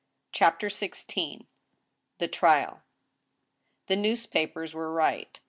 CHAPTER XVI. THE TRIAL. The newspapers were right.